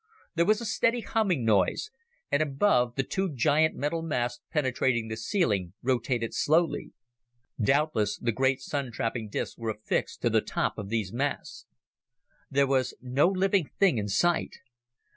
There was a steady humming noise, and above, the two giant, metal masts penetrating the ceiling rotated slowly. Doubtless, the great Sun trapping discs were affixed to the top of these masts. There was no living thing in sight.